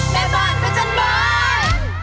แม่บ้านพระจันทร์บ้าน